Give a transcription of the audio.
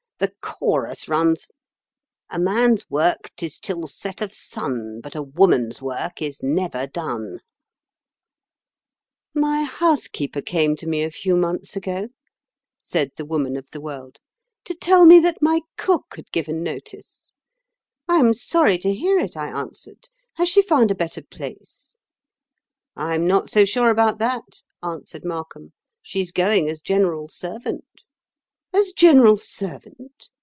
The chorus runs— A man's work 'tis till set of sun, But a woman's work is never done! [Picture: A man's work 'tis till set of sun ...] "My housekeeper came to me a few months ago," said the Woman of the World, "to tell me that my cook had given notice. 'I am sorry to hear it,' I answered; 'has she found a better place?' 'I am not so sure about that,' answered Markham; 'she's going as general servant.' 'As general servant!